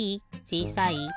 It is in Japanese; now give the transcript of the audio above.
ちいさい？